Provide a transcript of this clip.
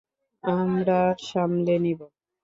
আমরা সামলে নিবো।